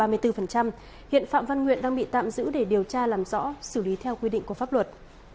hiện phạm văn nguyện đang bị tạm giữ để điều tra làm rõ xử lý theo quy định của pháp luật